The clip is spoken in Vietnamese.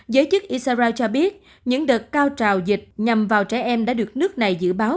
giới chức isara cho biết những đợt cao trào dịch nhằm vào trẻ em đã được nước này dự báo